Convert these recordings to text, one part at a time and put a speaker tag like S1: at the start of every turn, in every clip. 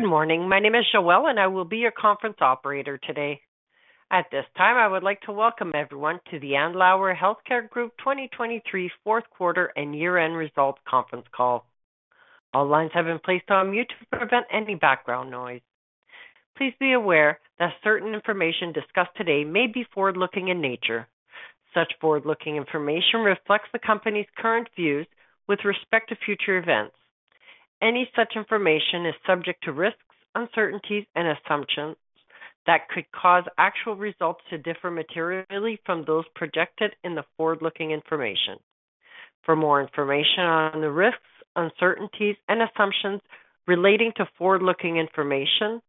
S1: Good morning. My name is Joelle, and I will be your conference operator today. At this time, I would like to welcome everyone to the Andlauer Healthcare Group 2023 fourth quarter and year-end results conference call. All lines have been placed on mute to prevent any background noise. Please be aware that certain information discussed today may be forward-looking in nature. Such forward-looking information reflects the company's current views with respect to future events. Any such information is subject to risks, uncertainties, and assumptions that could cause actual results to differ materially from those projected in the forward-looking information. For more information on the risks, uncertainties, and assumptions relating to forward-looking information,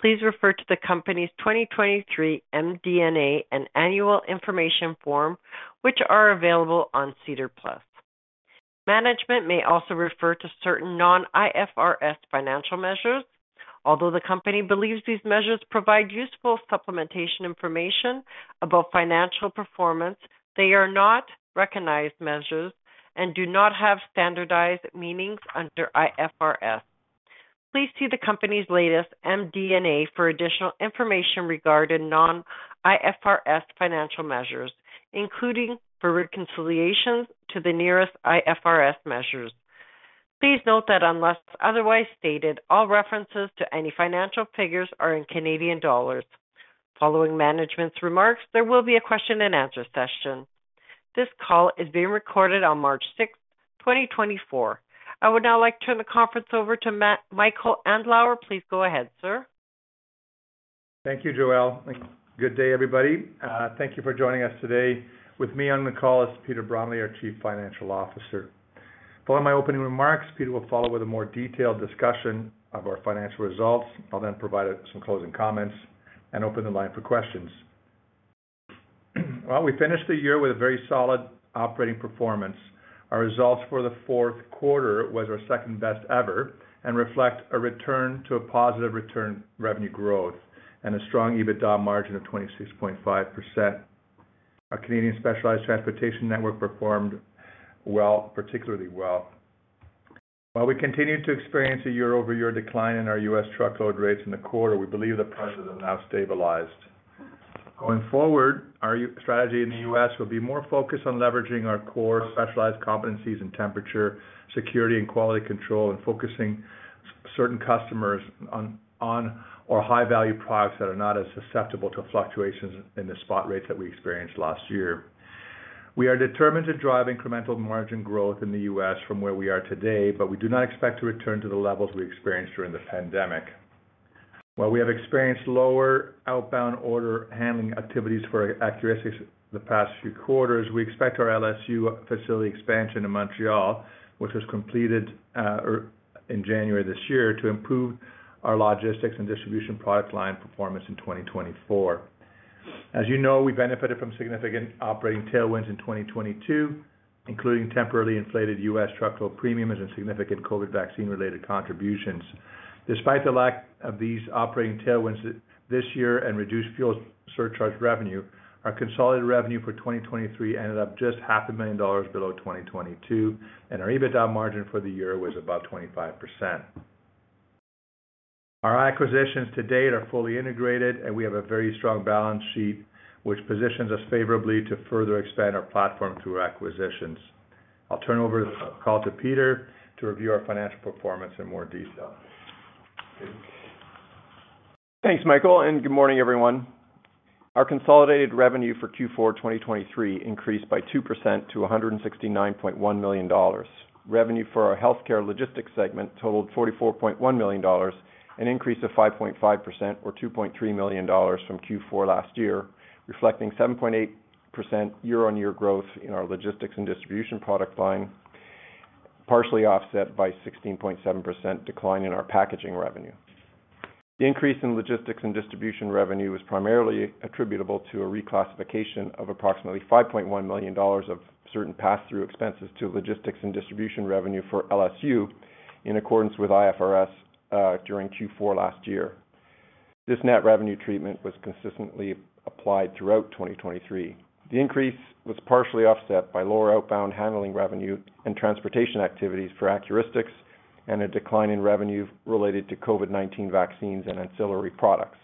S1: please refer to the company's 2023 MD&A and annual information form, which are available on SEDAR+. Management may also refer to certain non-IFRS financial measures. Although the company believes these measures provide useful supplementation information about financial performance, they are not recognized measures and do not have standardized meanings under IFRS. Please see the company's latest MD&A for additional information regarding non-IFRS financial measures, including for reconciliations to the nearest IFRS measures. Please note that unless otherwise stated, all references to any financial figures are in Canadian dollars. Following management's remarks, there will be a question-and-answer session. This call is being recorded on March 6, 2024. I would now like to turn the conference over to Mr. Michael Andlauer. Please go ahead, sir.
S2: Thank you, Joelle. Good day, everybody. Thank you for joining us today. With me on the call is Peter Bromley, our Chief Financial Officer. Following my opening remarks, Peter will follow with a more detailed discussion of our financial results. I'll then provide some closing comments and open the line for questions. Well, we finished the year with a very solid operating performance. Our results for the fourth quarter were our second best ever and reflect a return to a positive return revenue growth and a strong EBITDA margin of 26.5%. Our Canadian Specialized Transportation Network performed well, particularly well. While we continue to experience a year-over-year decline in our U.S. truckload rates in the quarter, we believe the prices have now stabilized. Going forward, our strategy in the U.S. will be more focused on leveraging our core specialized competencies in temperature, security, and quality control, and focusing certain customers on high-value products that are not as susceptible to fluctuations in the spot rates that we experienced last year. We are determined to drive incremental margin growth in the U.S. from where we are today, but we do not expect to return to the levels we experienced during the pandemic. While we have experienced lower outbound order handling activities for Accuristix the past few quarters, we expect our LSU facility expansion in Montreal, which was completed in January this year, to improve our logistics and distribution product line performance in 2024. As you know, we benefited from significant operating tailwinds in 2022, including temporarily inflated U.S. truckload premiums and significant COVID vaccine-related contributions. Despite the lack of these operating tailwinds this year and reduced fuel surcharge revenue, our consolidated revenue for 2023 ended up just 500,000 dollars below 2022, and our EBITDA margin for the year was above 25%. Our acquisitions to date are fully integrated, and we have a very strong balance sheet, which positions us favorably to further expand our platform through acquisitions. I'll turn over the call to Peter to review our financial performance in more detail.
S3: Thanks, Michael, and good morning, everyone. Our consolidated revenue for Q4 2023 increased by 2% to 169.1 million dollars. Revenue for our healthcare logistics segment totaled 44.1 million dollars, an increase of 5.5% or 2.3 million dollars from Q4 last year, reflecting 7.8% year-on-year growth in our logistics and distribution product line, partially offset by 16.7% decline in our packaging revenue. The increase in logistics and distribution revenue was primarily attributable to a reclassification of approximately 5.1 million dollars of certain pass-through expenses to logistics and distribution revenue for LSU in accordance with IFRS during Q4 last year. This net revenue treatment was consistently applied throughout 2023. The increase was partially offset by lower outbound handling revenue and transportation activities for Accuristix and a decline in revenue related to COVID-19 vaccines and ancillary products.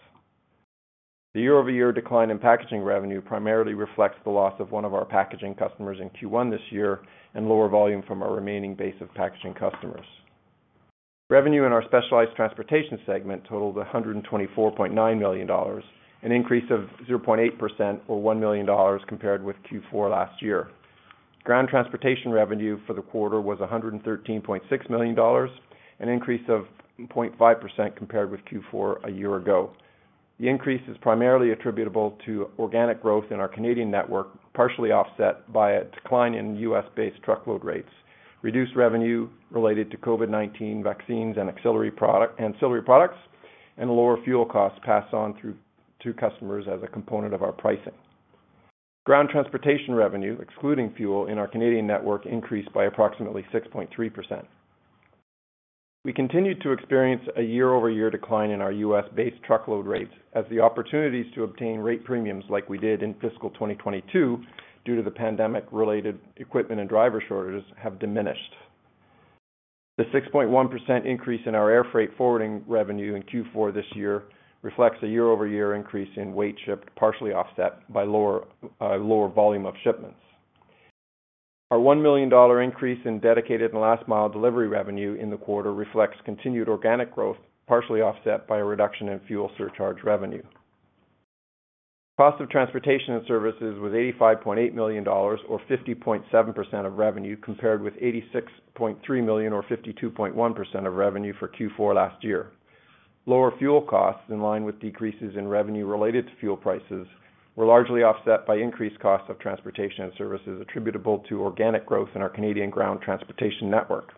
S3: The year-over-year decline in packaging revenue primarily reflects the loss of one of our packaging customers in Q1 this year and lower volume from our remaining base of packaging customers. Revenue in our specialized transportation segment totaled 124.9 million dollars, an increase of 0.8% or 1 million dollars compared with Q4 last year. Ground transportation revenue for the quarter was 113.6 million dollars, an increase of 0.5% compared with Q4 a year ago. The increase is primarily attributable to organic growth in our Canadian network, partially offset by a decline in U.S.-based truckload rates, reduced revenue related to COVID-19 vaccines and ancillary products, and lower fuel costs passed on to customers as a component of our pricing. Ground transportation revenue, excluding fuel, in our Canadian network increased by approximately 6.3%. We continue to experience a year-over-year decline in our U.S.-based truckload rates as the opportunities to obtain rate premiums like we did in fiscal 2022 due to the pandemic-related equipment and driver shortages have diminished. The 6.1% increase in our air freight forwarding revenue in Q4 this year reflects a year-over-year increase in weight shipped, partially offset by lower volume of shipments. Our 1 million dollar increase in dedicated and last-mile delivery revenue in the quarter reflects continued organic growth, partially offset by a reduction in fuel surcharge revenue. Cost of transportation and services was 85.8 million dollars or 50.7% of revenue compared with 86.3 million or 52.1% of revenue for Q4 last year. Lower fuel costs, in line with decreases in revenue related to fuel prices, were largely offset by increased costs of transportation and services attributable to organic growth in our Canadian ground transportation network.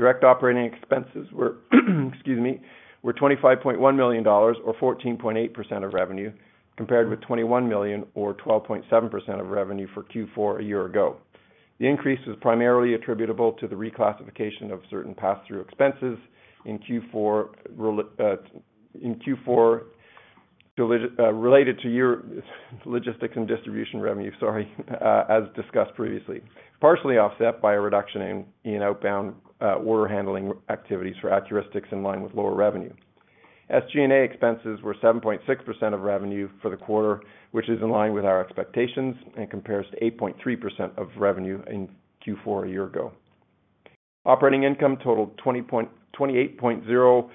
S3: Direct operating expenses were 25.1 million dollars or 14.8% of revenue compared with 21 million or 12.7% of revenue for Q4 a year ago. The increase was primarily attributable to the reclassification of certain pass-through expenses in Q4 related to logistics and distribution revenue, sorry, as discussed previously, partially offset by a reduction in outbound order handling activities for Accuristix in line with lower revenue. SG&A expenses were 7.6% of revenue for the quarter, which is in line with our expectations and compares to 8.3% of revenue in Q4 a year ago. Operating income totaled 28.0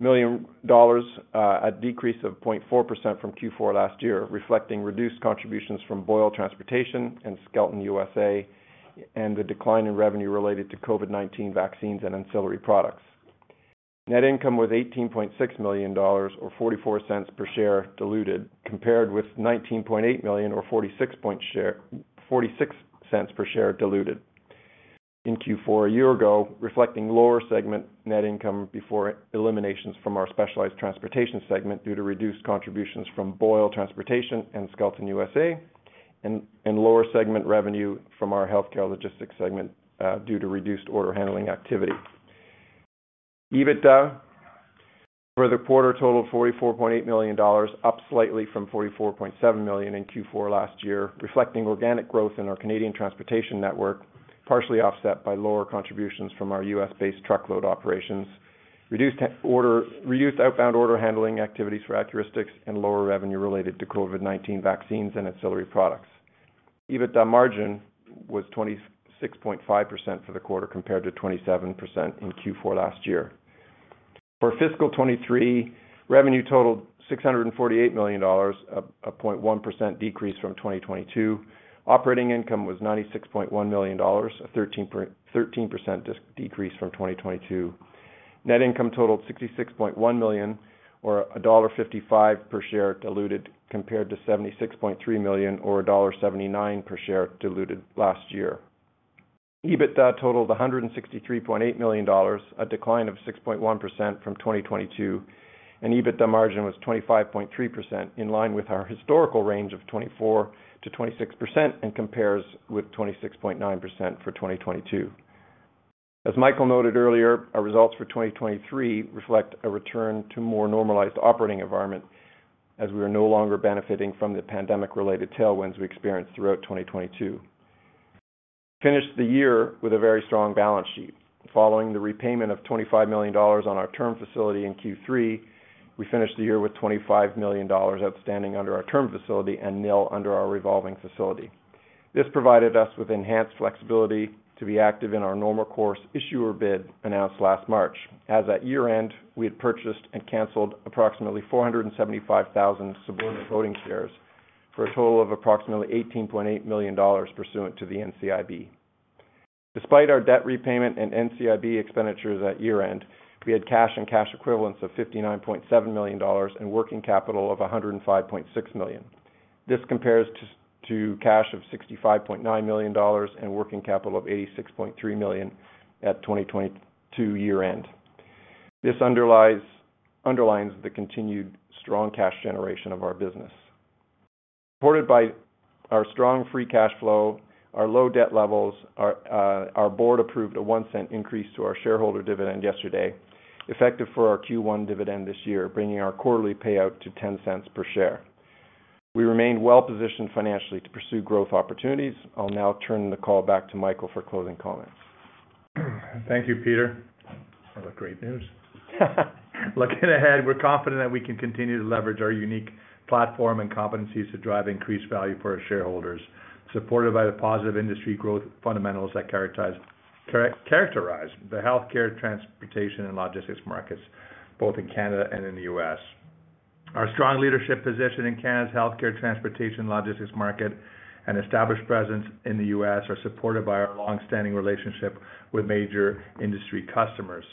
S3: million dollars, a decrease of 0.4% from Q4 last year, reflecting reduced contributions from Boyle Transportation and Skelton USA and the decline in revenue related to COVID-19 vaccines and ancillary products. Net income was 18.6 million dollars or 0.44 per share diluted compared with 19.8 million or 0.46 per share diluted in Q4 a year ago, reflecting lower segment net income before eliminations from our specialized transportation segment due to reduced contributions from Boyle Transportation and Skelton USA and lower segment revenue from our healthcare logistics segment due to reduced order handling activity. EBITDA for the quarter totaled 44.8 million dollars, up slightly from 44.7 million in Q4 last year, reflecting organic growth in our Canadian transportation network, partially offset by lower contributions from our U.S.-based truckload operations, reduced outbound order handling activities for Accuristix, and lower revenue related to COVID-19 vaccines and ancillary products. EBITDA margin was 26.5% for the quarter compared to 27% in Q4 last year. For fiscal 2023, revenue totaled 648 million dollars, a 0.1% decrease from 2022. Operating income was 96.1 million dollars, a 13% decrease from 2022. Net income totaled 66.1 million or dollar 1.55 per share diluted compared to 76.3 million or dollar 1.79 per share diluted last year. EBITDA totaled 163.8 million dollars, a decline of 6.1% from 2022. EBITDA margin was 25.3%, in line with our historical range of 24%-26% and compares with 26.9% for 2022. As Michael noted earlier, our results for 2023 reflect a return to more normalized operating environment as we are no longer benefiting from the pandemic-related tailwinds we experienced throughout 2022. We finished the year with a very strong balance sheet. Following the repayment of 25 million dollars on our term facility in Q3, we finished the year with 25 million dollars outstanding under our term facility and nil under our revolving facility. This provided us with enhanced flexibility to be active in our normal course issuer bid announced last March. As at year-end, we had purchased and cancelled approximately 475,000 subordinate voting shares for a total of approximately 18.8 million dollars pursuant to the NCIB. Despite our debt repayment and NCIB expenditures at year-end, we had cash and cash equivalents of 59.7 million dollars and working capital of 105.6 million. This compares to cash of 65.9 million dollars and working capital of 86.3 million at 2022 year-end. This underlines the continued strong cash generation of our business. Supported by our strong free cash flow, our low debt levels, our board approved a 0.01 increase to our shareholder dividend yesterday, effective for our Q1 dividend this year, bringing our quarterly payout to 0.10 per share. We remain well-positioned financially to pursue growth opportunities. I'll now turn the call back to Michael for closing comments.
S2: Thank you, Peter.
S3: Well, look, great news.
S2: Looking ahead, we're confident that we can continue to leverage our unique platform and competencies to drive increased value for our shareholders, supported by the positive industry growth fundamentals that characterize the healthcare, transportation, and logistics markets, both in Canada and in the U.S. Our strong leadership position in Canada's healthcare, transportation, and logistics market and established presence in the U.S. are supported by our longstanding relationship with major industry customers.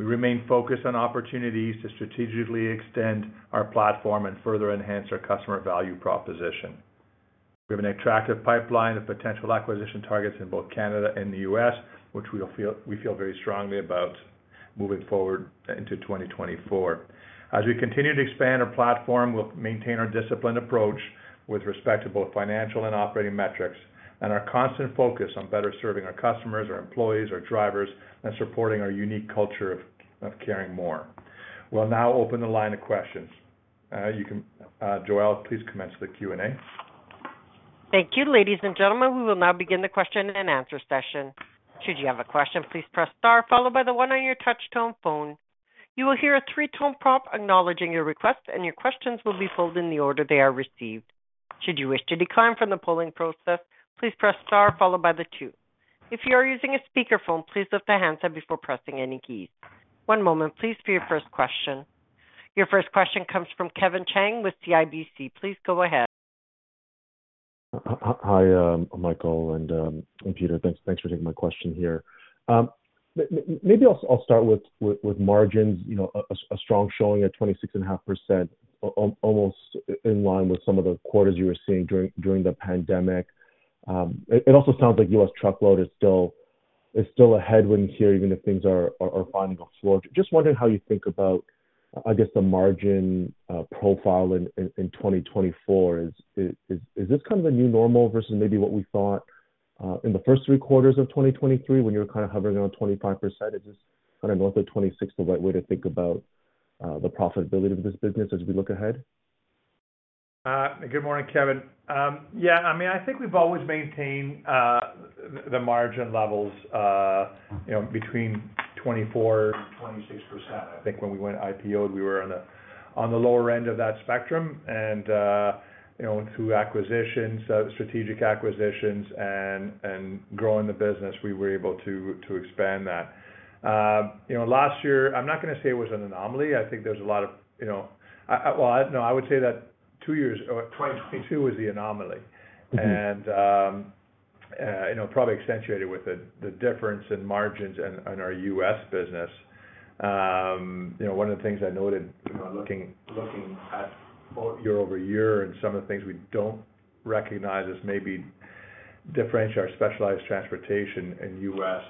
S2: We remain focused on opportunities to strategically extend our platform and further enhance our customer value proposition. We have an attractive pipeline of potential acquisition targets in both Canada and the U.S., which we feel very strongly about moving forward into 2024. As we continue to expand our platform, we'll maintain our disciplined approach with respect to both financial and operating metrics and our constant focus on better serving our customers, our employees, our drivers, and supporting our unique culture of caring more. We'll now open the line to questions. Joelle, please commence the Q&A.
S1: Thank you. Ladies and gentlemen, we will now begin the question-and-answer session. Should you have a question, please press star, followed by the one on your touch-tone phone. You will hear a three-tone prompt acknowledging your request, and your questions will be pulled in the order they are received. Should you wish to decline from the polling process, please press star, followed by the two. If you are using a speakerphone, please lift the handset up before pressing any keys. One moment, please, for your first question. Your first question comes from Kevin Chiang with CIBC. Please go ahead.
S4: Hi, Michael, and Peter. Thanks for taking my question here. Maybe I'll start with margins, a strong showing at 26.5%, almost in line with some of the quarters you were seeing during the pandemic. It also sounds like U.S. truckload is still a headwind here, even if things are finding a floor. Just wondering how you think about, I guess, the margin profile in 2024. Is this kind of a new normal versus maybe what we thought in the first three quarters of 2023 when you were kind of hovering around 25%? Is this kind of north of 26 the right way to think about the profitability of this business as we look ahead?
S2: Good morning, Kevin. Yeah, I mean, I think we've always maintained the margin levels between 24%-26%. I think when we went IPOed, we were on the lower end of that spectrum. And through strategic acquisitions and growing the business, we were able to expand that. Last year, I'm not going to say it was an anomaly. I think there was a lot of well, no, I would say that two years, 2022, was the anomaly and probably accentuated with the difference in margins in our U.S. business. One of the things I noted looking at year-over-year and some of the things we don't recognize as maybe differentiate our specialized transportation in U.S.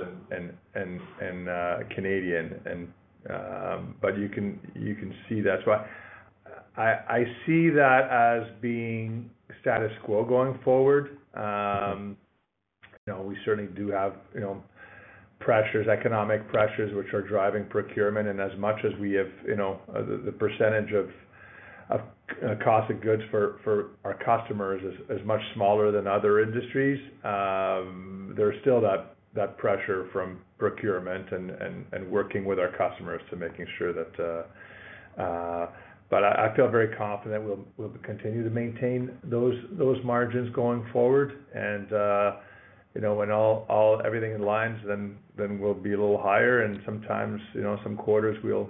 S2: and Canadian, but you can see that. So I see that as being status quo going forward. We certainly do have pressures, economic pressures, which are driving procurement. As much as we have the percentage of cost of goods for our customers is as much smaller than other industries, there's still that pressure from procurement and working with our customers to making sure that, but I feel very confident we'll continue to maintain those margins going forward. When everything aligns, then we'll be a little higher. Sometimes, some quarters, we'll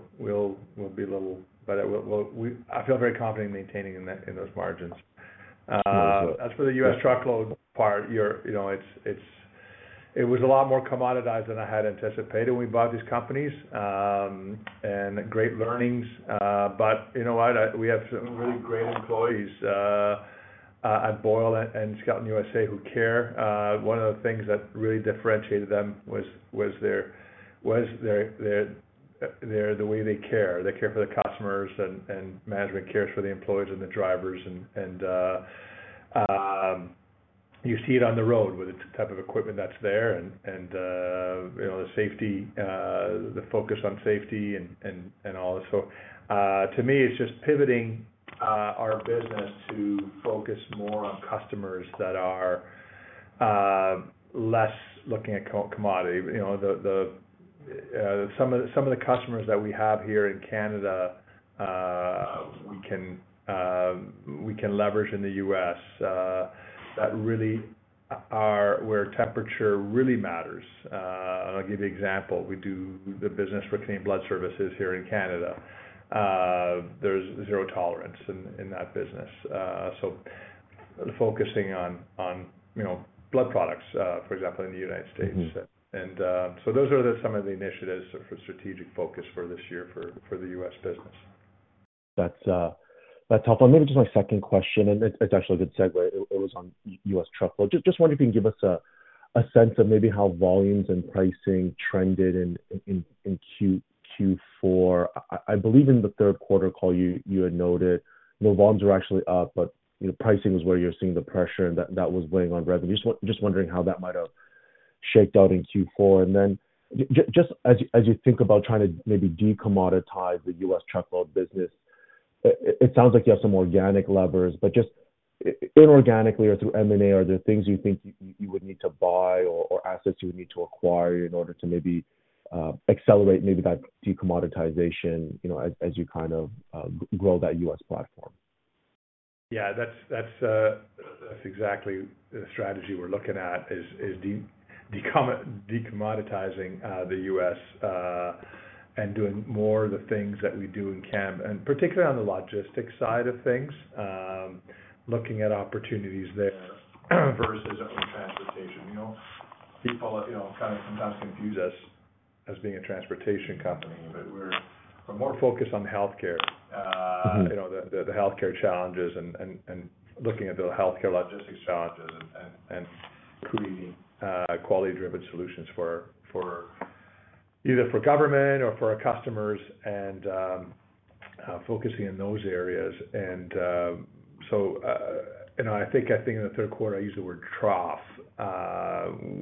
S2: be a little, but I feel very confident in maintaining those margins.
S4: What was the?
S2: As for the U.S. truckload part, it was a lot more commoditized than I had anticipated when we bought these companies and great learnings. But you know what? We have some really great employees at Boyle and Skelton USA who care. One of the things that really differentiated them was the way they care. They care for the customers, and management cares for the employees and the drivers. And you see it on the road with the type of equipment that's there and the focus on safety and all this. So to me, it's just pivoting our business to focus more on customers that are less looking at commodity. Some of the customers that we have here in Canada, we can leverage in the U.S. that really are where temperature really matters. And I'll give you an example. We do the business for Canadian Blood Services here in Canada. There's zero tolerance in that business. So focusing on blood products, for example, in the United States. And so those are some of the initiatives for strategic focus for this year for the U.S. business.
S4: That's helpful. And maybe just my second question, and it's actually a good segue. It was on U.S. truckload. Just wondering if you can give us a sense of maybe how volumes and pricing trended in Q4. I believe in the third quarter call, you had noted volumes were actually up, but pricing was where you were seeing the pressure, and that was weighing on revenue. Just wondering how that might have shaken out in Q4. And then just as you think about trying to maybe decommoditize the U.S. truckload business, it sounds like you have some organic levers. But just inorganically or through M&A, are there things you think you would need to buy or assets you would need to acquire in order to maybe accelerate maybe that decommoditization as you kind of grow that U.S. platform?
S2: Yeah, that's exactly the strategy we're looking at, is decommoditizing the U.S. and doing more of the things that we do in Canada, and particularly on the logistics side of things, looking at opportunities there versus our own transportation. People kind of sometimes confuse us as being a transportation company, but we're more focused on healthcare, the healthcare challenges, and looking at the healthcare logistics challenges and creating quality-driven solutions either for government or for our customers and focusing in those areas. And so I think in the third quarter, I use the word trough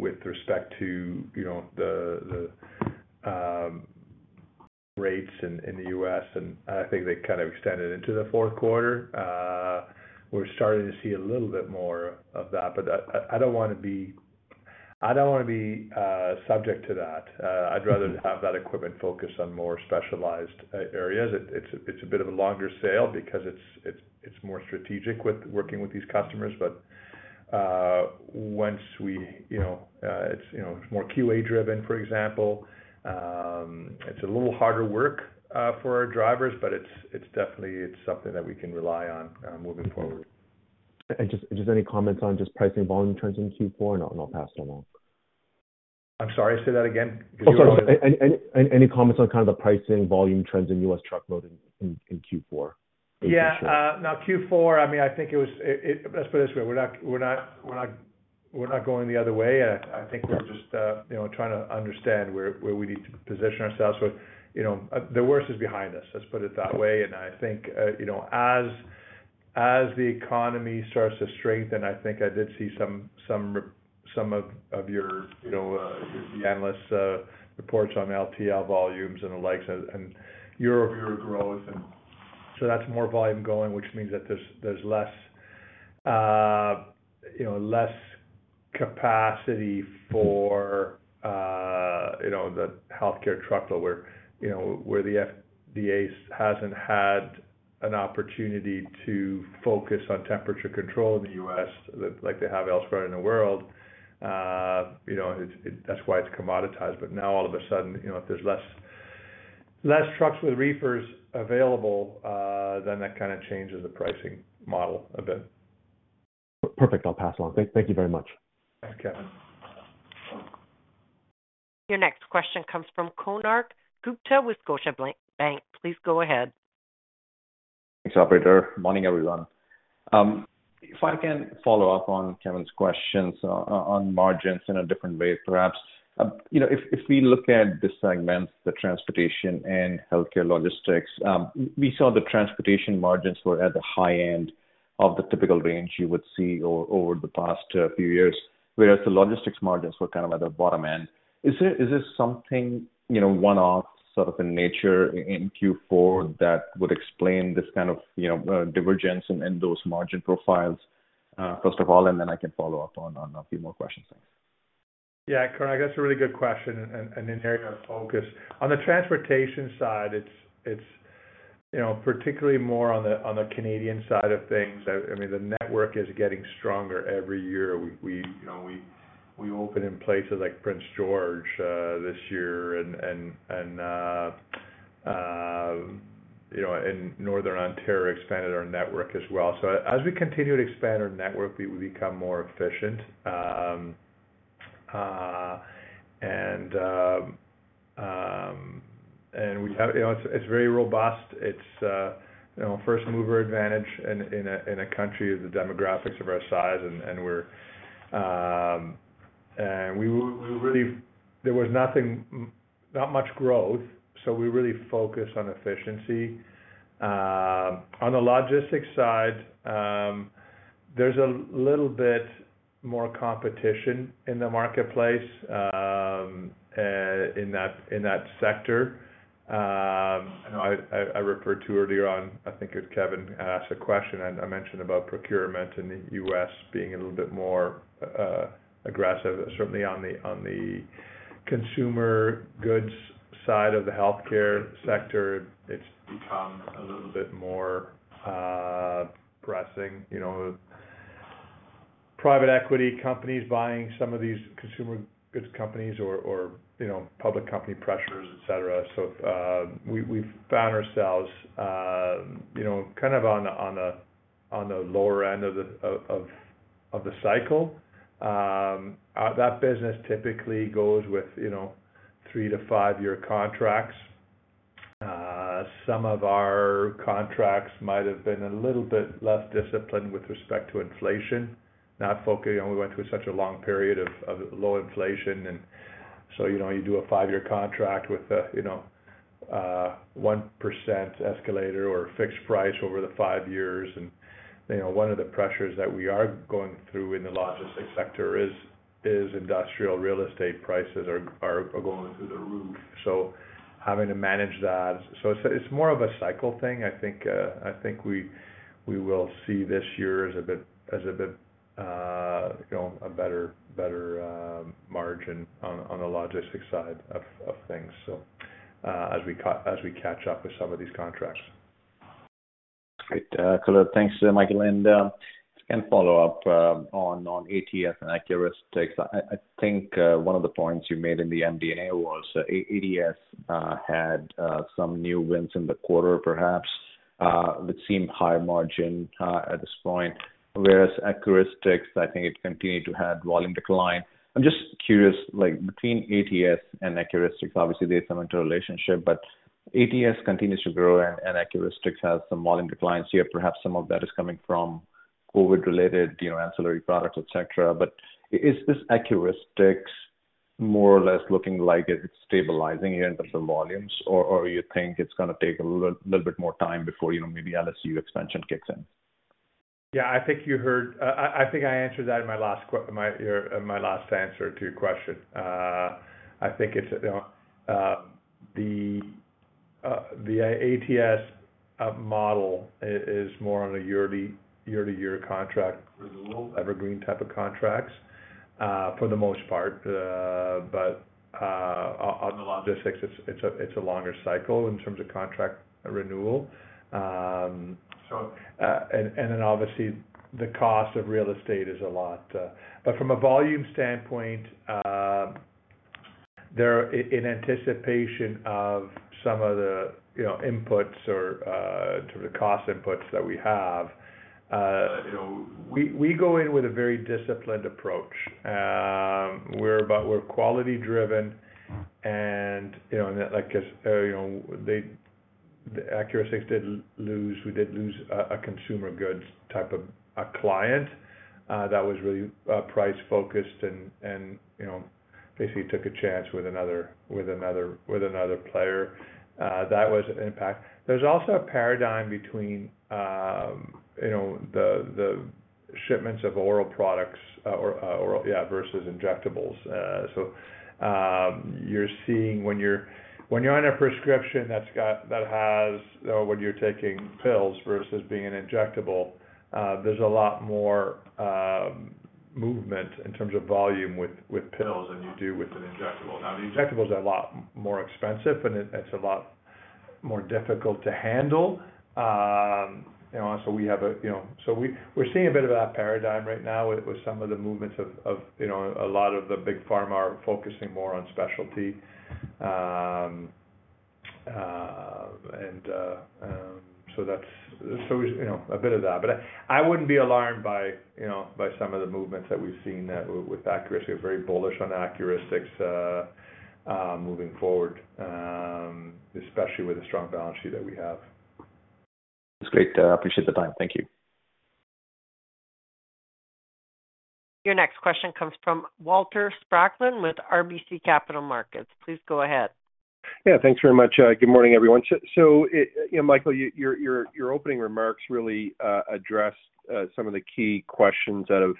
S2: with respect to the rates in the U.S. And I think they kind of extended into the fourth quarter. We're starting to see a little bit more of that. But I don't want to be I don't want to be subject to that. I'd rather have that equipment focused on more specialized areas. It's a bit of a longer sale because it's more strategic working with these customers. But once it's more QA-driven, for example. It's a little harder work for our drivers, but it's definitely something that we can rely on moving forward.
S4: Just any comments on just pricing volume trends in Q4? I'll pass that along.
S2: I'm sorry. Say that again because you were on.
S4: Any comments on kind of the pricing volume trends in U.S. truckload in Q4?
S2: Yeah. Now, Q4, I mean, I think it was let's put it this way. We're not going the other way. And I think we're just trying to understand where we need to position ourselves. The worst is behind us. Let's put it that way. And I think as the economy starts to strengthen, I think I did see some of your analysts' reports on LTL volumes and the likes and year-over-year growth. And so that's more volume going, which means that there's less capacity for the healthcare truckload where the FDA hasn't had an opportunity to focus on temperature control in the U.S. like they have elsewhere in the world. That's why it's commoditized. But now, all of a sudden, if there's less trucks with reefers available, then that kind of changes the pricing model a bit.
S4: Perfect. I'll pass along. Thank you very much.
S3: Thanks, Kevin.
S1: Your next question comes from Konark Gupta with Scotiabank. Please go ahead.
S5: Thanks, operator. Morning, everyone. If I can follow up on Kevin's questions on margins in a different way, perhaps. If we look at the segments, the transportation and healthcare logistics, we saw the transportation margins were at the high end of the typical range you would see over the past few years, whereas the logistics margins were kind of at the bottom end. Is this something one-off sort of in nature in Q4 that would explain this kind of divergence in those margin profiles, first of all? And then I can follow up on a few more questions. Thanks.
S2: Yeah, Konark, that's a really good question and an area of focus. On the transportation side, it's particularly more on the Canadian side of things. I mean, the network is getting stronger every year. We open in places like Prince George this year. And in northern Ontario, we expanded our network as well. So as we continue to expand our network, we become more efficient. And we have. It's very robust. It's first-mover advantage in a country of the demographics of our size. And there was not much growth, so we really focus on efficiency. On the logistics side, there's a little bit more competition in the marketplace in that sector. I referred to earlier on. I think it was Kevin asked a question. I mentioned about procurement in the U.S. being a little bit more aggressive. Certainly, on the consumer goods side of the healthcare sector, it's become a little bit more pressing. Private equity companies buying some of these consumer goods companies or public company pressures, etc. So we've found ourselves kind of on the lower end of the cycle. That business typically goes with three- to five-year contracts. Some of our contracts might have been a little bit less disciplined with respect to inflation, not focusing on we went through such a long period of low inflation. And so you do a five-year contract with a 1% escalator or fixed price over the five years. And one of the pressures that we are going through in the logistics sector is industrial real estate prices are going through the roof. So having to manage that so it's more of a cycle thing. I think we will see this year as a bit of a better margin on the logistics side of things as we catch up with some of these contracts.
S5: Great. Konark, thanks, Michael. And if I can follow up on ATS and Accuristix, I think one of the points you made in the MD&A was ATS had some new wins in the quarter, perhaps. It seemed higher margin at this point, whereas Accuristix, I think it continued to have volume decline. I'm just curious, between ATS and Accuristix, obviously, there's some interrelationship, but ATS continues to grow, and Accuristix has some volume declines here. Perhaps some of that is coming from COVID-related ancillary products, etc. But is this Accuristix more or less looking like it's stabilizing here in terms of volumes, or do you think it's going to take a little bit more time before maybe LSU expansion kicks in?
S2: Yeah, I think you heard I think I answered that in my last answer to your question. I think it's the ATS model is more on a year-to-year contract renewal, evergreen type of contracts for the most part. But on the logistics, it's a longer cycle in terms of contract renewal. And then, obviously, the cost of real estate is a lot. But from a volume standpoint, in anticipation of some of the inputs or sort of the cost inputs that we have, we go in with a very disciplined approach. We're quality-driven. And like I said, the Accuristix did lose we did lose a consumer goods type of a client that was really price-focused and basically took a chance with another player. That was an impact. There's also a paradigm between the shipments of oral products, yeah, versus injectables. So you're seeing when you're on a prescription that has when you're taking pills versus being an injectable, there's a lot more movement in terms of volume with pills than you do with an injectable. Now, the injectable is a lot more expensive, and it's a lot more difficult to handle. So we're seeing a bit of that paradigm right now with some of the movements of a lot of the big pharma are focusing more on specialty. And so that's a bit of that. But I wouldn't be alarmed by some of the movements that we've seen with Accuristix. We're very bullish on Accuristix moving forward, especially with the strong balance sheet that we have.
S5: That's great. I appreciate the time. Thank you.
S1: Your next question comes from Walter Spracklin with RBC Capital Markets. Please go ahead.
S6: Yeah, thanks very much. Good morning, everyone. So, Michael, your opening remarks really addressed some of the key questions that have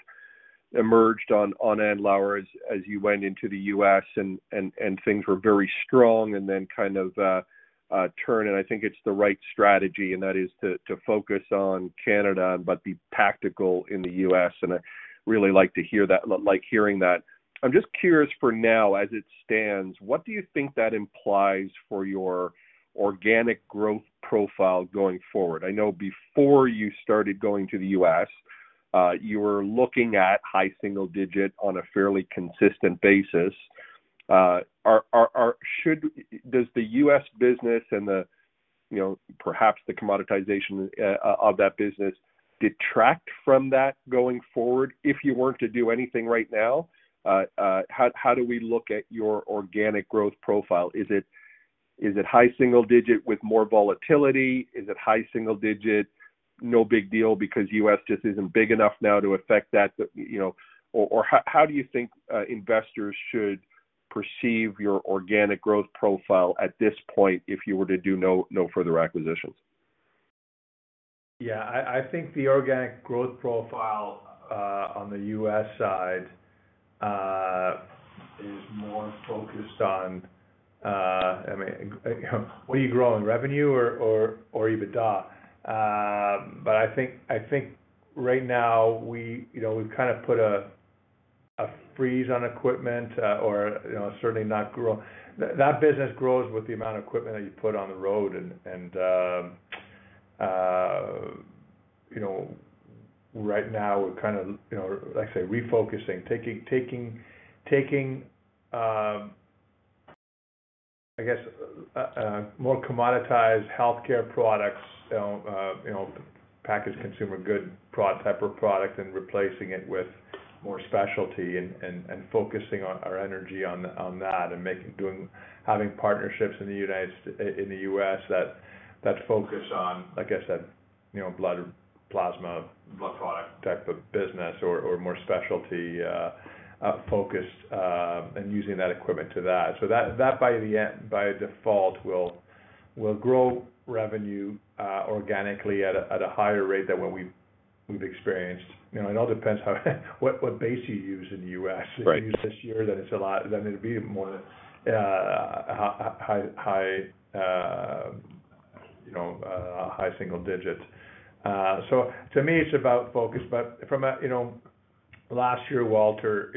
S6: emerged on Andlauer as you went into the U.S., and things were very strong and then kind of turned. I think it's the right strategy, and that is to focus on Canada but be tactical in the U.S. I really like to hear that. I'm just curious, for now, as it stands, what do you think that implies for your organic growth profile going forward? I know before you started going to the U.S., you were looking at high single digit on a fairly consistent basis. Does the U.S. business and perhaps the commoditization of that business detract from that going forward? If you weren't to do anything right now, how do we look at your organic growth profile? Is it high single digit with more volatility? Is it high single digit, no big deal because the U.S. just isn't big enough now to affect that? Or how do you think investors should perceive your organic growth profile at this point if you were to do no further acquisitions?
S2: Yeah, I think the organic growth profile on the U.S. side is more focused on—I mean, what are you growing, revenue or EBITDA? But I think right now, we've kind of put a freeze on equipment or certainly not growing. That business grows with the amount of equipment that you put on the road. And right now, we're kind of, like I say, refocusing, taking, I guess, more commoditized healthcare products, packaged consumer good type of product, and replacing it with more specialty and focusing our energy on that and having partnerships in the U.S. that focus on, like I said, blood plasma, blood product type of business or more specialty-focused and using that equipment to that. So that, by default, will grow revenue organically at a higher rate than what we've experienced. It all depends what base you use in the U.S. If you use this year, then it'll be more high single digit. So to me, it's about focus. But from last year, Walter,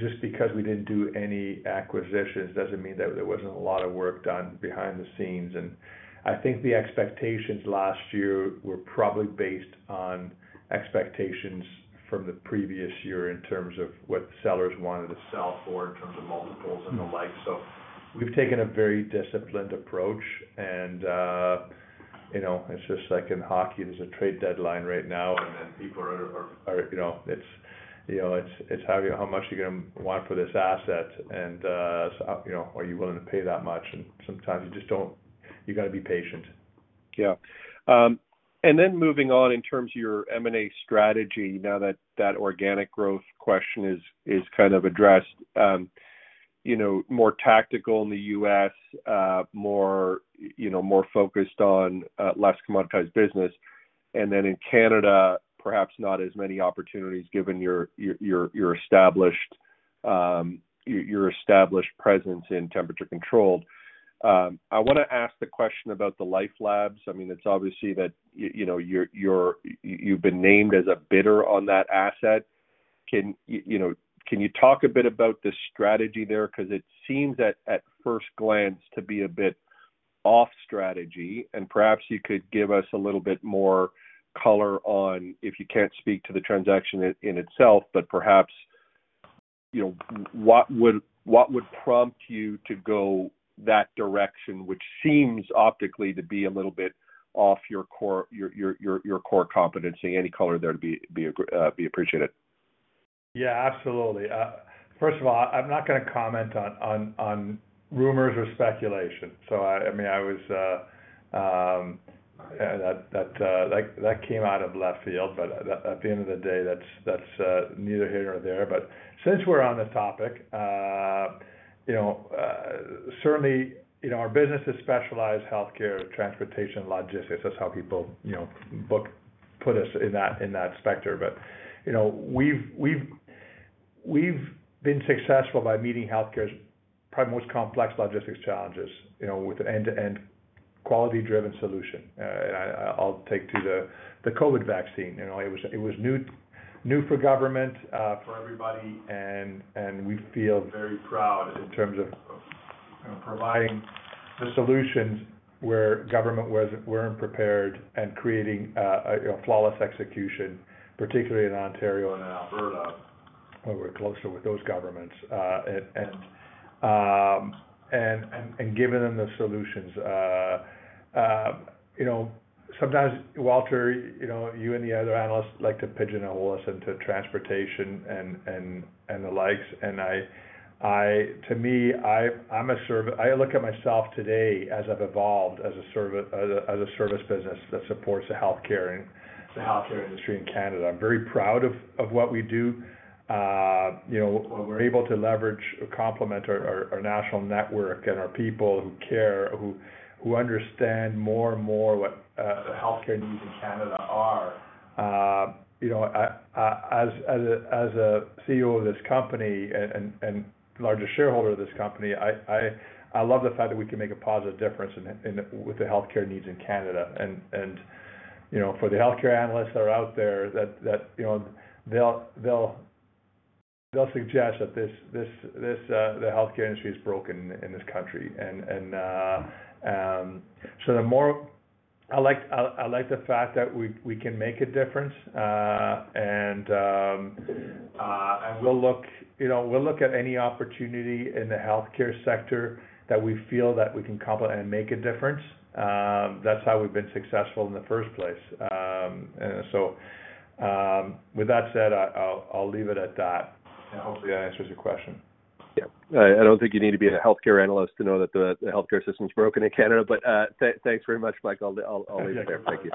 S2: just because we didn't do any acquisitions doesn't mean that there wasn't a lot of work done behind the scenes. And I think the expectations last year were probably based on expectations from the previous year in terms of what sellers wanted to sell for in terms of multiples and the like. So we've taken a very disciplined approach. And it's just like in hockey, there's a trade deadline right now, and then people are, it's how much you're going to want for this asset, and are you willing to pay that much? And sometimes you just don't. You got to be patient.
S6: Yeah. And then moving on in terms of your M&A strategy, now that that organic growth question is kind of addressed, more tactical in the U.S., more focused on less commoditized business. And then in Canada, perhaps not as many opportunities given your established presence in temperature controlled. I want to ask the question about the LifeLabs. I mean, it's obvious that you've been named as a bidder on that asset. Can you talk a bit about the strategy there? Because it seems at first glance to be a bit off-strategy. And perhaps you could give us a little bit more color on if you can't speak to the transaction in itself, but perhaps what would prompt you to go that direction, which seems optically to be a little bit off your core competency? Any color there to be appreciated.
S2: Yeah, absolutely. First of all, I'm not going to comment on rumors or speculation. So I mean, that came out of left field. But at the end of the day, that's neither here nor there. But since we're on the topic, certainly, our business is specialized healthcare, transportation, logistics. That's how people put us in that spectrum. But we've been successful by meeting healthcare's probably most complex logistics challenges with an end-to-end quality-driven solution. I'll take to the COVID vaccine. It was new for government, for everybody. We feel very proud in terms of providing the solutions where government weren't prepared and creating flawless execution, particularly in Ontario and in Alberta, where we're closer with those governments, giving them the solutions. Sometimes, Walter, you and the other analysts like to pigeonhole us into transportation and the likes. To me, I look at myself today as I've evolved as a service business that supports the healthcare industry in Canada. I'm very proud of what we do. We're able to leverage or complement our national network and our people who care, who understand more and more what the healthcare needs in Canada are. As a CEO of this company and largest shareholder of this company, I love the fact that we can make a positive difference with the healthcare needs in Canada. For the healthcare analysts that are out there, they'll suggest that the healthcare industry is broken in this country. So the more I like the fact that we can make a difference. We'll look at any opportunity in the healthcare sector that we feel that we can complement and make a difference. That's how we've been successful in the first place. So with that said, I'll leave it at that. Hopefully, that answers your question.
S6: Yeah. I don't think you need to be a healthcare analyst to know that the healthcare system's broken in Canada. But thanks very much, Michael. I'll leave it there.
S2: Thank you.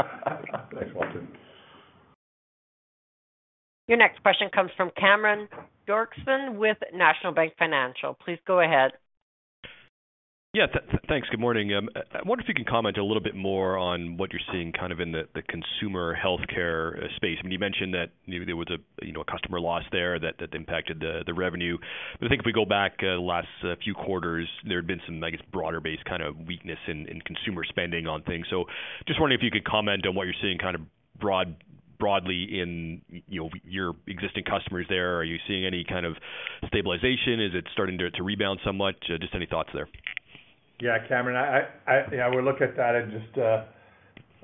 S2: Thanks, Walter.
S1: Your next question comes from Cameron Doerksen with National Bank Financial. Please go ahead.
S7: Yeah, thanks. Good morning. I wonder if you can comment a little bit more on what you're seeing kind of in the consumer healthcare space. I mean, you mentioned that there was a customer loss there that impacted the revenue. But I think if we go back the last few quarters, there had been some, I guess, broader-based kind of weakness in consumer spending on things. So just wondering if you could comment on what you're seeing kind of broadly in your existing customers there. Are you seeing any kind of stabilization? Is it starting to rebound somewhat? Just any thoughts there?
S2: Yeah, Cameron. Yeah, I would look at that and just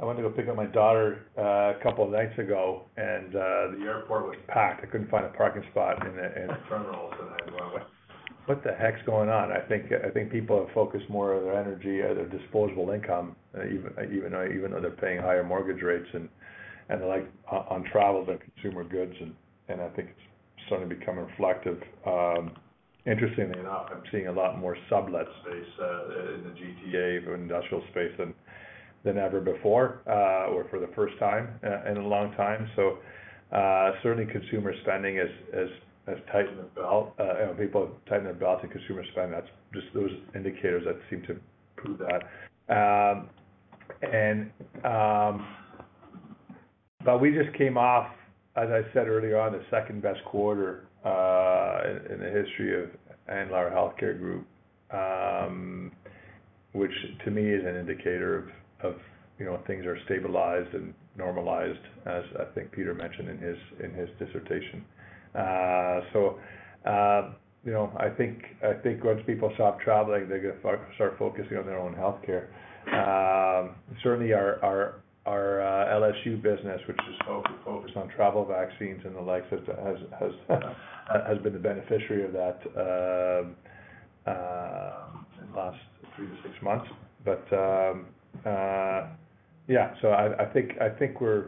S2: I went to go pick up my daughter a couple of nights ago, and the airport was packed. I couldn't find a parking spot in the terminals. And I went, "What the heck's going on?" I think people have focused more of their energy or their disposable income, even though they're paying higher mortgage rates and the like on travel than consumer goods. And I think it's certainly become reflective. Interestingly enough, I'm seeing a lot more sublet space in the GTA industrial space than ever before or for the first time in a long time. So certainly, consumer spending has tightened the belt. People have tightened their belts in consumer spending. There were indicators that seem to prove that. But we just came off, as I said earlier on, the second-best quarter in the history of Andlauer Healthcare Group, which to me is an indicator of things are stabilized and normalized, as I think Peter mentioned in his dissertation. So I think once people stop traveling, they're going to start focusing on their own healthcare. Certainly, our LSU business, which is focused on travel vaccines and the likes, has been the beneficiary of that in the last 3-6 months. But yeah, so I think we're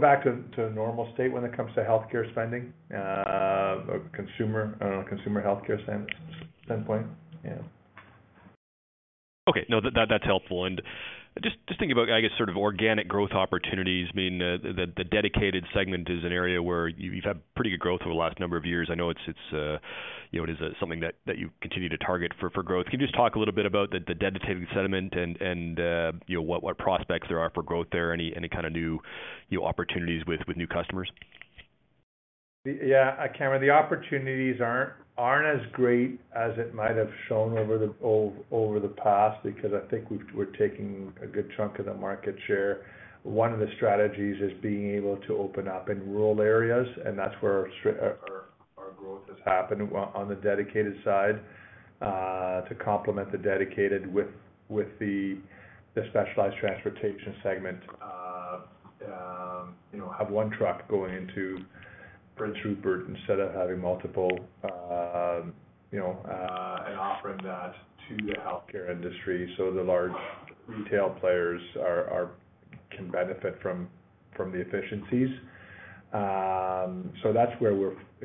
S2: back to a normal state when it comes to healthcare spending, consumer healthcare standpoint. Yeah.
S7: Okay. No, that's helpful. Just thinking about, I guess, sort of organic growth opportunities, I mean, the dedicated segment is an area where you've had pretty good growth over the last number of years. I know it is something that you continue to target for growth. Can you just talk a little bit about the dedicated segment and what prospects there are for growth there, any kind of new opportunities with new customers?
S2: Yeah, Cameron, the opportunities aren't as great as it might have shown over the past because I think we're taking a good chunk of the market share. One of the strategies is being able to open up in rural areas. That's where our growth has happened on the dedicated side to complement the dedicated with the specialized transportation segment, have one truck going into Prince Rupert instead of having multiple and offering that to the healthcare industry so the large retail players can benefit from the efficiencies. That's where we're. I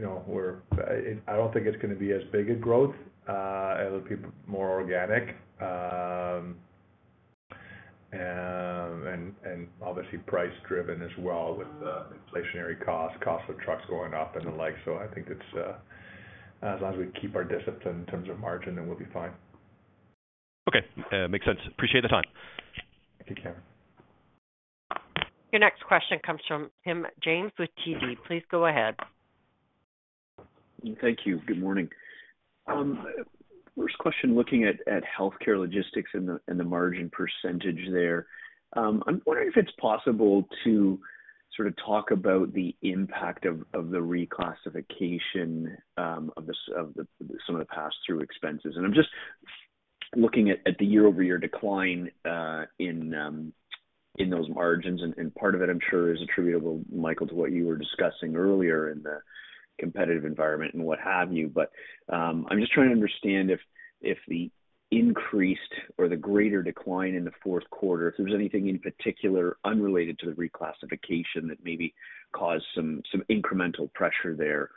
S2: don't think it's going to be as big a growth. It'll be more organic and obviously price-driven as well with the inflationary costs, cost of trucks going up and the like. I think as long as we keep our discipline in terms of margin, then we'll be fine.
S7: Okay. Makes sense. Appreciate the time.
S2: Thank you, Cameron.
S1: Your next question comes from Tim James with TD. Please go ahead.
S8: Thank you. Good morning. First question, looking at healthcare logistics and the margin percentage there, I'm wondering if it's possible to sort of talk about the impact of the reclassification of some of the pass-through expenses. And I'm just looking at the year-over-year decline in those margins. And part of it, I'm sure, is attributable, Michael, to what you were discussing earlier in the competitive environment and what have you. But I'm just trying to understand if the increased or the greater decline in the fourth quarter, if there was anything in particular unrelated to the reclassification that maybe caused some incremental pressure there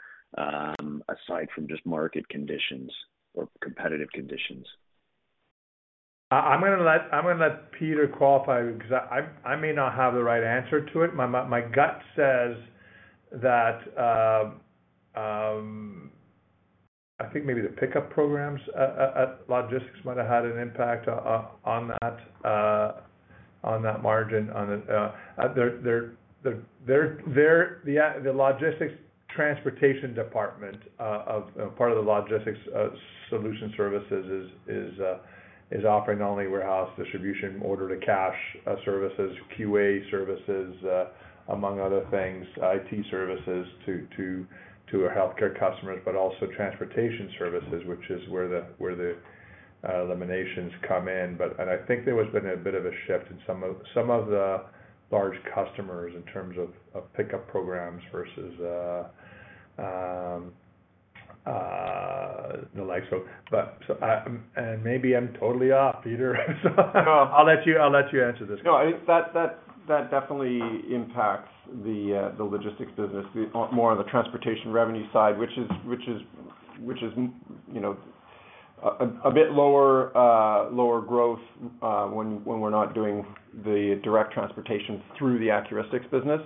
S8: aside from just market conditions or competitive conditions.
S2: I'm going to let Peter qualify because I may not have the right answer to it. My gut says that I think maybe the pickup programs at logistics might have had an impact on that margin. The logistics transportation department, part of the logistics solution services, is offering not only warehouse distribution, order-to-cash services, QA services, among other things, IT services to our healthcare customers, but also transportation services, which is where the eliminations come in. And I think there has been a bit of a shift in some of the large customers in terms of pickup programs versus the like. And maybe I'm totally off, Peter. So I'll let you answer this.
S3: No, I think that definitely impacts the logistics business, more on the transportation revenue side, which is a bit lower growth when we're not doing the direct transportation through the Accuristix business.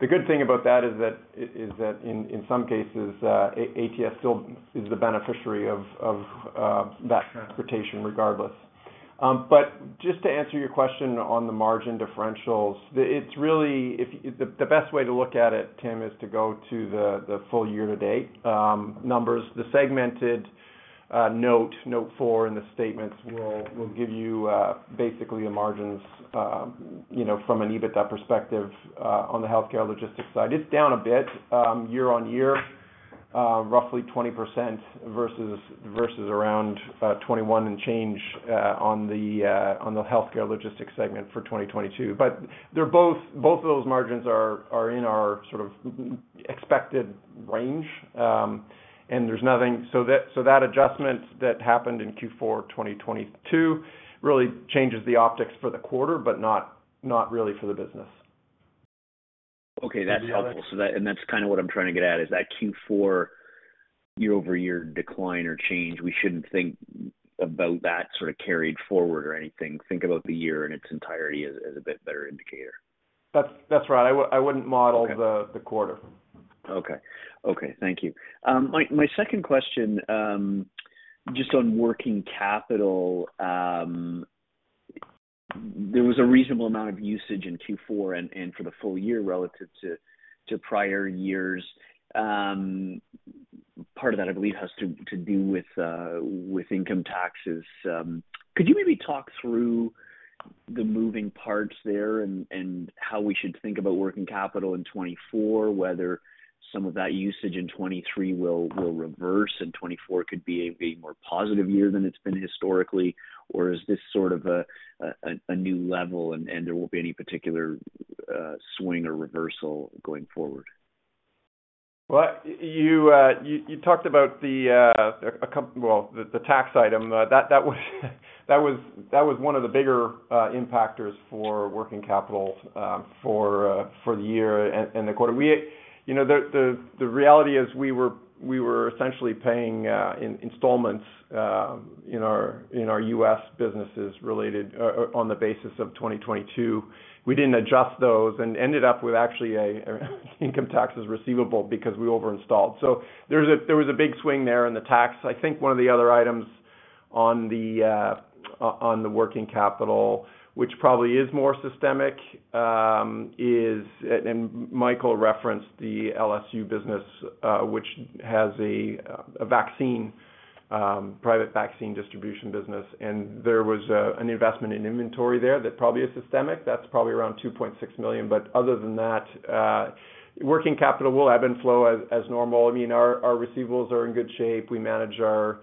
S3: The good thing about that is that in some cases, ATS still is the beneficiary of that transportation regardless. But just to answer your question on the margin differentials, the best way to look at it, Tim, is to go to the full year-to-date numbers. The segmented note, note 4 in the statements, will give you basically the margins from an EBITDA perspective on the healthcare logistics side. It's down a bit year-on-year, roughly 20% versus around 21 and change on the healthcare logistics segment for 2022. But both of those margins are in our sort of expected range. And so that adjustment that happened in Q4 2022 really changes the optics for the quarter, but not really for the business.
S8: Okay. That's helpful. That's kind of what I'm trying to get at, is that Q4 year-over-year decline or change, we shouldn't think about that sort of carried forward or anything. Think about the year in its entirety as a bit better indicator.
S3: That's right. I wouldn't model the quarter.
S8: Okay. Okay. Thank you. My second question, just on working capital, there was a reasonable amount of usage in Q4 and for the full year relative to prior years. Part of that, I believe, has to do with income taxes. Could you maybe talk through the moving parts there and how we should think about working capital in 2024, whether some of that usage in 2023 will reverse and 2024 could be a more positive year than it's been historically? Or is this sort of a new level, and there won't be any particular swing or reversal going forward?
S3: Well, you talked about the, well, the tax item. That was one of the bigger impactors for working capital for the year and the quarter. The reality is we were essentially paying installments in our U.S. businesses on the basis of 2022. We didn't adjust those and ended up with actually an income taxes receivable because we over-installed. So there was a big swing there in the tax. I think one of the other items on the working capital, which probably is more systemic, is, and Michael referenced the LSU business, which has a private vaccine distribution business. And there was an investment in inventory there that probably is systemic. That's probably around 2.6 million. But other than that, working capital will ebb and flow as normal. I mean, our receivables are in good shape. We manage our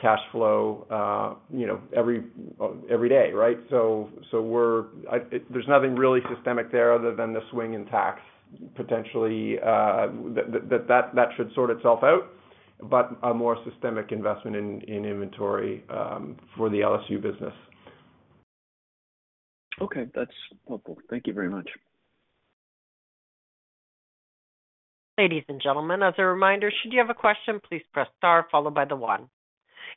S3: cash flow every day, right? There's nothing really systemic there other than the swing in tax potentially that should sort itself out, but a more systemic investment in inventory for the LSU business.
S8: Okay. That's helpful. Thank you very much.
S1: Ladies and gentlemen, as a reminder, should you have a question, please press star followed by the one.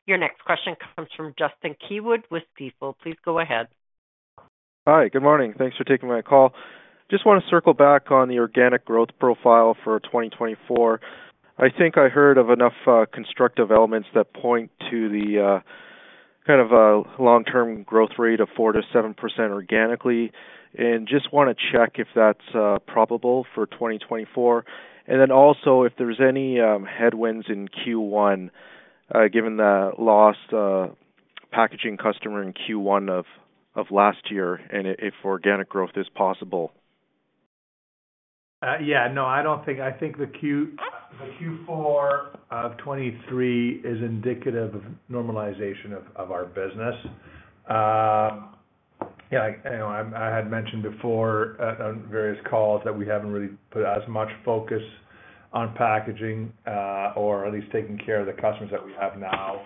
S1: Your next question comes from Justin Keywood with Stifel. Please go ahead.
S9: Hi. Good morning. Thanks for taking my call. Just want to circle back on the organic growth profile for 2024. I think I heard of enough constructive elements that point to the kind of long-term growth rate of 4%-7% organically. Just want to check if that's probable for 2024. Then also if there's any headwinds in Q1 given the lost packaging customer in Q1 of last year and if organic growth is possible.
S2: Yeah. No, I don't think I think the Q4 of 2023 is indicative of normalization of our business. Yeah. I had mentioned before on various calls that we haven't really put as much focus on packaging or at least taking care of the customers that we have now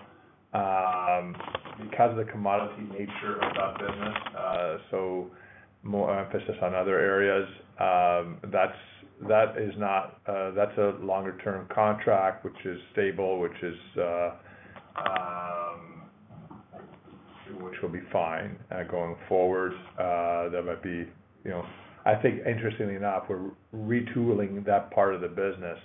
S2: because of the commodity nature of that business. So more emphasis on other areas. That's a longer-term contract, which is stable, which will be fine going forward. That might be, I think, interestingly enough, we're retooling that part of the business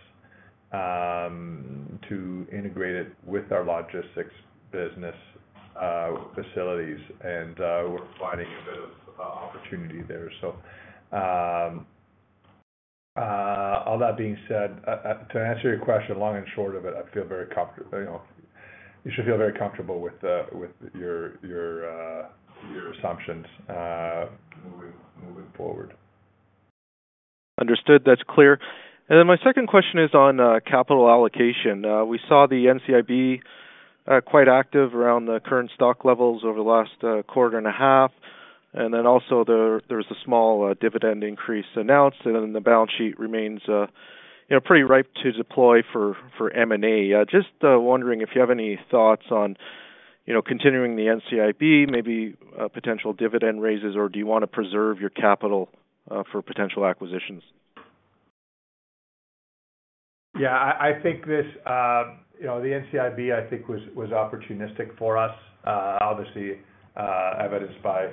S2: to integrate it with our logistics business facilities. And we're finding a bit of opportunity there. So all that being said, to answer your question, long and short of it, I feel very comfortable. You should feel very comfortable with your assumptions moving forward.
S9: Understood. That's clear. And then my second question is on capital allocation. We saw the NCIB quite active around the current stock levels over the last quarter and a half. And then also, there was a small dividend increase announced. And then the balance sheet remains pretty ripe to deploy for M&A. Just wondering if you have any thoughts on continuing the NCIB, maybe potential dividend raises, or do you want to preserve your capital for potential acquisitions?
S2: Yeah. I think this the NCIB, I think, was opportunistic for us, obviously evidenced by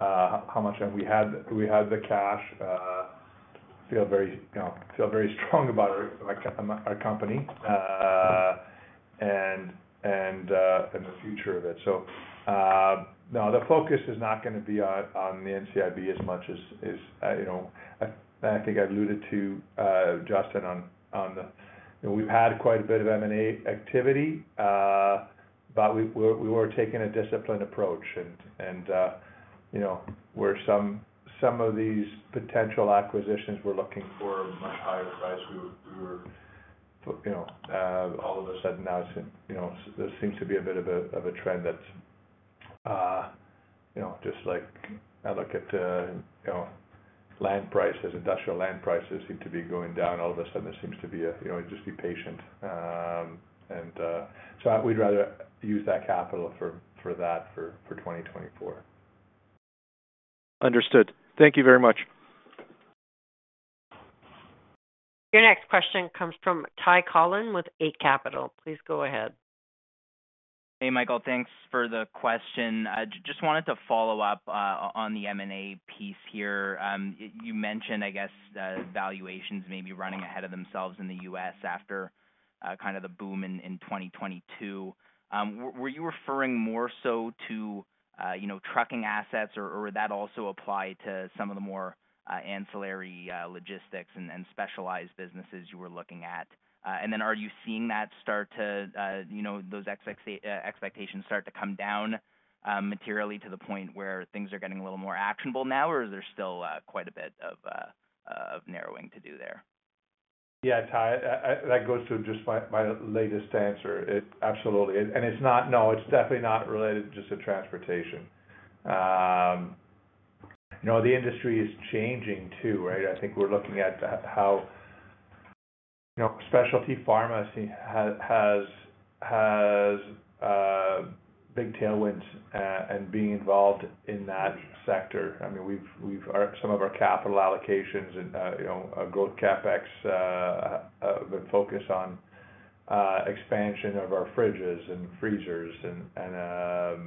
S2: how much we had the cash. I feel very strong about our company and the future of it. So no, the focus is not going to be on the NCIB as much as I think I alluded to, Justin, on the we've had quite a bit of M&A activity, but we were taking a disciplined approach. And where some of these potential acquisitions were looking for a much higher price, we were all of a sudden now, it seems to be a bit of a trend that's just like I look at land prices. Industrial land prices seem to be going down. All of a sudden, it seems to be just be patient. And so we'd rather use that capital for that for 2024.
S9: Understood. Thank you very much.
S1: Your next question comes from Ty Collin with Eight Capital. Please go ahead.
S10: Hey, Michael. Thanks for the question. Just wanted to follow up on the M&A piece here. You mentioned, I guess, valuations maybe running ahead of themselves in the U.S. after kind of the boom in 2022. Were you referring more so to trucking assets, or would that also apply to some of the more ancillary logistics and specialized businesses you were looking at? And then are you seeing that start to those expectations start to come down materially to the point where things are getting a little more actionable now, or is there still quite a bit of narrowing to do there?
S2: Yeah, Ty, that goes to just my latest answer. Absolutely. And it's not no, it's definitely not related just to transportation. The industry is changing too, right? I think we're looking at how specialty pharmacy has big tailwinds and being involved in that sector. I mean, some of our capital allocations and growth CapEx have been focused on expansion of our fridges and freezers. And I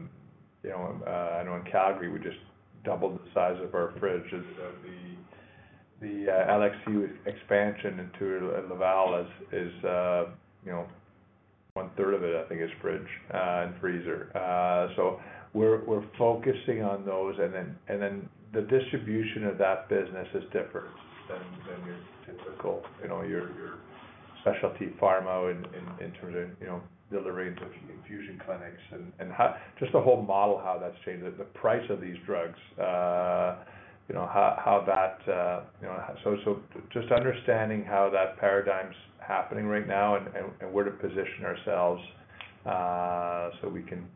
S2: know in Calgary, we just doubled the size of our fridge. The LSU expansion into Laval is one-third of it, I think, is fridge and freezer. So we're focusing on those. And then the distribution of that business is different than your typical your specialty pharma in terms of delivering to infusion clinics and just the whole model, how that's changed, the price of these drugs, how that so just understanding how that paradigm's happening right now and where to position ourselves so we can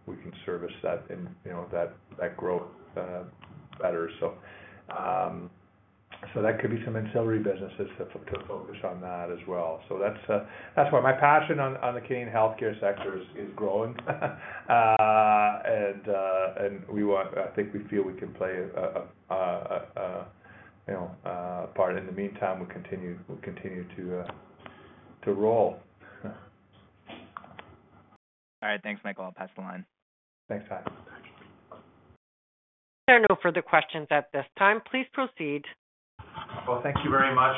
S2: service that growth better. So that could be some ancillary businesses to focus on that as well. So that's why my passion on the Canadian healthcare sector is growing. And I think we feel we can play a part. In the meantime, we continue to roll.
S10: All right. Thanks, Michael. I'll pass the line.
S3: Thanks, Ty.
S1: There are no further questions at this time. Please proceed.
S2: Well, thank you very much.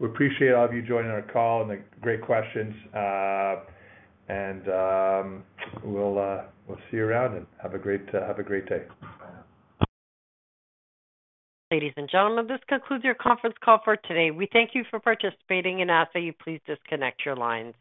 S2: We appreciate all of you joining our call and the great questions. We'll see you around. Have a great day.
S1: Ladies and gentlemen, this concludes your conference call for today. We thank you for participating. And as I say, please disconnect your lines.